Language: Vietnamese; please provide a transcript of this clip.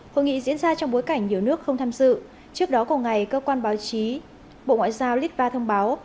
hội nghị diễn ra trong bối cảnh nhiều nước không tham dự trước đó có ngày cơ quan báo chí bộ ngoại giao litva thông báo